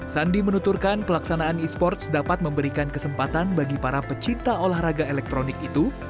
sandi menuturkan pelaksanaan e sports dapat memberikan kesempatan bagi para pecinta olahraga elektronik itu